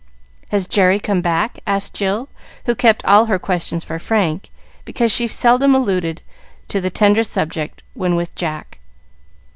"Has Jerry come back?" asked Jill, who kept all her questions for Frank, because she seldom alluded to the tender subject when with Jack.